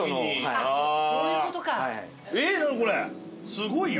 すごいよ。